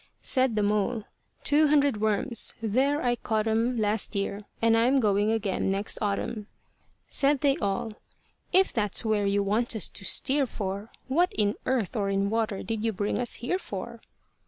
Said the mole, "Two hundred worms there I caught 'em Last year, and I'm going again next autumn." Said they all, "If that's where you want us to steer for, What in earth or in water did you bring us here for?"